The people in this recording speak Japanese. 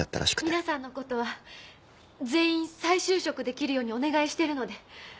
皆さんのことは全員再就職できるようにお願いしてるので